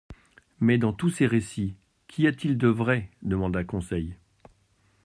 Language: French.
—Mais dans tous ces récits, qu'y a-t-il de vrai ? demanda Conseil.